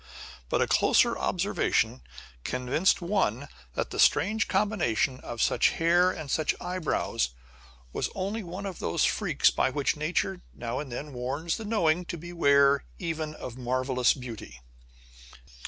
But a closer observation convinced one that the strange combination of such hair and such eyebrows was only one of those freaks by which Nature now and then warns the knowing to beware even of marvellous beauty.